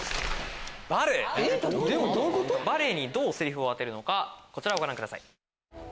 バレエにどうセリフを当てるかこちらをご覧ください。